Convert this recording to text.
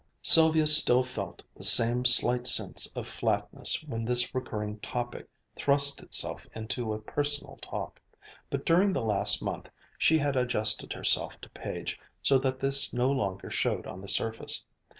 Sylvia still felt the same slight sense of flatness when this recurring topic thrust itself into a personal talk; but during the last month she had adjusted herself to Page so that this no longer showed on the surface.